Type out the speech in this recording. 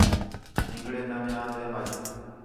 نِنگڑے نوے آندیم اَڄ